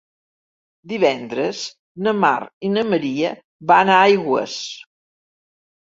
Divendres na Mar i na Maria van a Aigües.